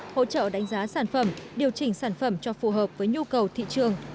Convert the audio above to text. hỗ trợ đánh giá sản phẩm điều chỉnh sản phẩm cho phù hợp với nhu cầu thị trường